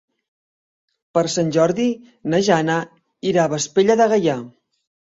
Per Sant Jordi na Jana irà a Vespella de Gaià.